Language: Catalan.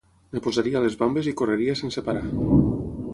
Em posaria les bambes i correria sense parar.